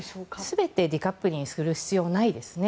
全てデカップリングする必要はないですね。